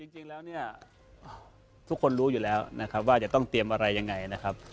จริงแล้วเนี่ยทุกคนรู้อยู่แล้วนะครับว่าจะต้องเตรียมอะไรยังไงนะครับ